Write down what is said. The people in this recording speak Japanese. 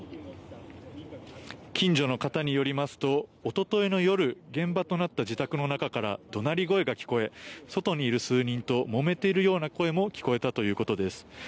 近所の方によりますとおとといの夜現場となった自宅の中から怒鳴り声が聞こえ外にいる数人ともめているような声も聞こえたということです。